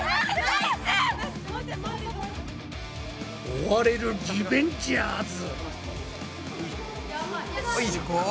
追われるリベンジャーズ。